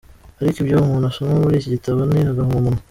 Ariko ibyo umuntu asoma muri iki gitabo ni agahomamunwa.